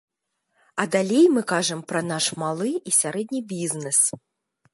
А далей мы кажам пра наш малы і сярэдні бізнэс.